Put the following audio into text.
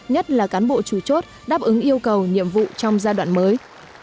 nhất là cán bộ chủ chốt đáp ứng yêu cầu nhiệm vụ trong giai đoạn mới